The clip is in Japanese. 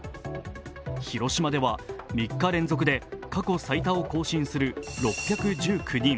広島では３日連続で過去最多を更新する６１９人。